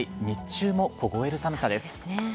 日中も凍える寒さです。